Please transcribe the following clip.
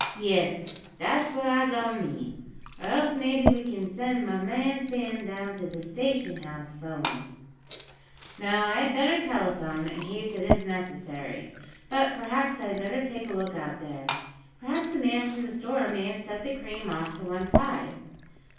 "Yes'm, dat's what I done mean. Or else maybe we kin send mah man Sam down to de station house fo' 'em." "No, I had better telephone, in case it is necessary. But perhaps I had better take a look out there. Perhaps the man from the store may have set the cream off to one side."